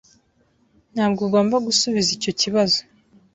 Ntabwo ugomba gusubiza icyo kibazo.